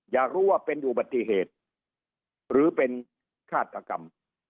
อยากรู้ว่าเป็นอุบัติเหตุหรือเป็นฆาตกรรม